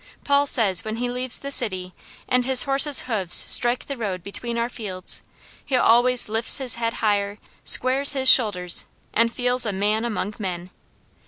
Paul says when he leaves the city, and his horses' hoofs strike the road between our fields, he always lifts his head higher, squares his shoulders, and feels a man among men.